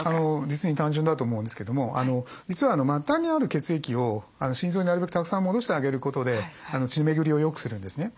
実に単純だと思うんですけども実は末端にある血液を心臓になるべくたくさん戻してあげることで血巡りをよくするんですね。